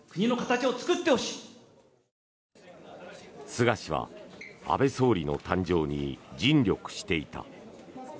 菅氏は安倍総理の誕生に尽力していた。